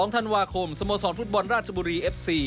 ๒ธันวาคมสโมสรฟุตบอลราชบุรีเอฟซี